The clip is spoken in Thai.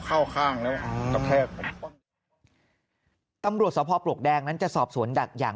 เข้าข้างแล้วกระแทกผมตำรวจสภพปลวกแดงนั้นจะสอบสวนดักอย่าง